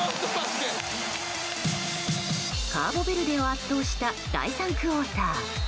カーボベルデを圧倒した第３クオーター。